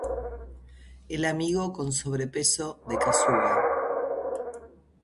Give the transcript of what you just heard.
El amigo con sobrepeso de Kasuga.